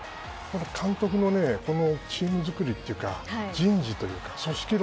監督のチームづくりというか人事というか組織論